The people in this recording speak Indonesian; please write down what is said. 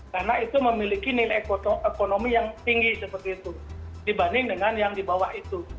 karena itu memiliki nilai ekonomi yang tinggi seperti itu dibanding dengan yang di bawah itu